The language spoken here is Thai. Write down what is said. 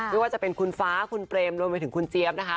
ไม่ว่าจะเป็นคุณฟ้าคุณเปรมรวมไปถึงคุณเจี๊ยบนะคะ